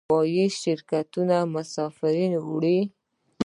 هوایی شرکتونه مسافر وړي